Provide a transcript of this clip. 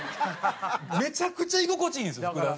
めちゃくちゃ居心地いいんですよ福田の。